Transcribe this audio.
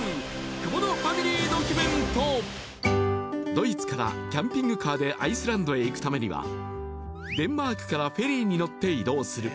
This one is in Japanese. ドイツからキャンピングカーでアイスランドへ行くためにはデンマークからフェリーに乗って移動する